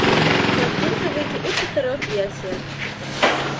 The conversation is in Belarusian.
Пласцінка выйдзе ў чатырох версіях.